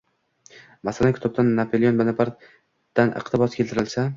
Masalan kitobda Napoleon Bonapartdan iqtibos keltirilsa